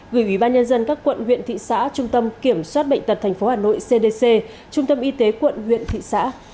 gửi ủy ban nhân dân các quận huyện thị xã trung tâm kiểm soát bệnh tật tp hà nội cdc trung tâm y tế quận huyện thị xã